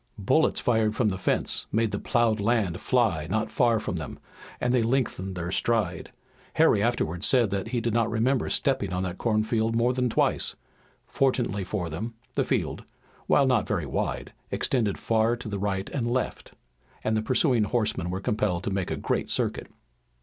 Bullets fired from the fence made the ploughed land fly not far from them, and they lengthened their stride. Harry afterward said that he did not remember stepping on that cornfield more than twice. Fortunately for them the field, while not very wide, extended far to right and left, and the pursuing horsemen were compelled to make a great circuit.